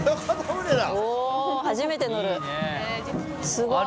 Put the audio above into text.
すごい。